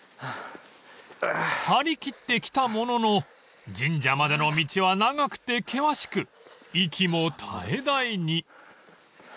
［張り切って来たものの神社までの道は長くて険しく息も絶え絶えに］